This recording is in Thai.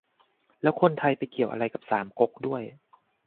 แล้วคนไทยไปเกี่ยวอะไรกับสามก๊กด้วย